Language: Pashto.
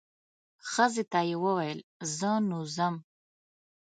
ښځې ته یې وویل زه نو ځم.